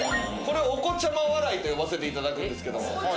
これをお子ちゃま笑いと呼ばせていただくんですけど。